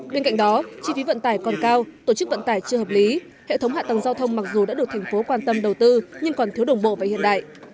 bên cạnh đó chi phí vận tải còn cao tổ chức vận tải chưa hợp lý hệ thống hạ tầng giao thông mặc dù đã được thành phố quan tâm đầu tư nhưng còn thiếu đồng bộ và hiện đại